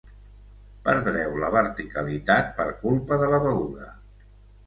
Perdreu la verticalitat per culpa de la beguda.